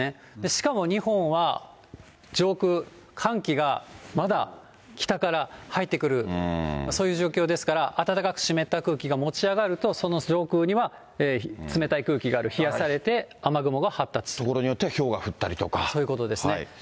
しかも日本は、上空、寒気がまだ北から入ってくる、そういう状況ですから、暖かく湿った空気が持ち上がると、その上空には、冷たい空気がある、所によってはひょうが降ったそういうことですね。